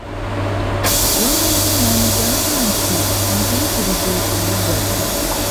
Waggoonya n'amugamba nti, kankuyigirize okuwuga.